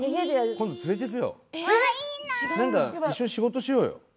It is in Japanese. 今度、一緒に仕事しようよ。